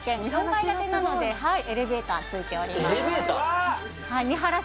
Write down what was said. ４階建てなのではいエレベーターついておりますうわ！